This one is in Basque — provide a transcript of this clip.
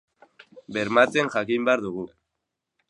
Bermatzen jakin behar dugu.